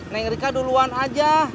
neng rika duluan aja